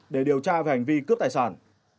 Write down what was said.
để điều tra về hành vi cướp tài sản